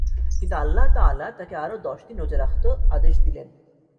কিন্তু আল্লাহ তাআলা তাকে আরো দশদিন রোযা রাখত আদেশ দিলেন।